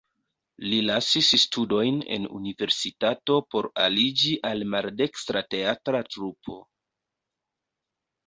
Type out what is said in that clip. Li lasis studojn en universitato por aliĝi al maldekstra teatra trupo.